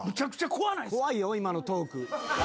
怖いよ今のトーク。